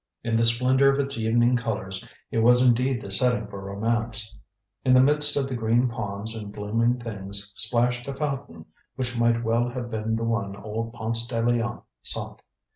In the splendor of its evening colors, it was indeed the setting for romance. In the midst of the green palms and blooming things splashed a fountain which might well have been the one old Ponce de Leon sought.